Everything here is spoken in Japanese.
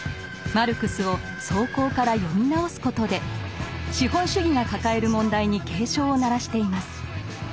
マルクスを草稿から読み直すことで資本主義が抱える問題に警鐘を鳴らしています。